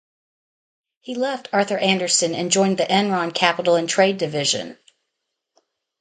He left Arthur Andersen and joined the Enron Capital and Trade Division.